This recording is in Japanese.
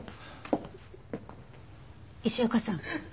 石岡さん